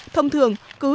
thông thường cứ